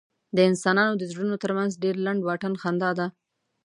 د انسانانو د زړونو تر منځ ډېر لنډ واټن خندا ده.